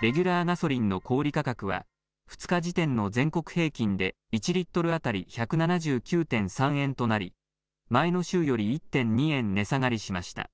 レギュラーガソリンの小売り価格は、２日時点の全国平均で１リットル当たり１７９．３円となり、前の週より１．２円値下がりしました。